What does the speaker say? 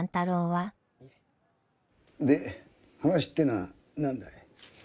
で話ってのは何だい？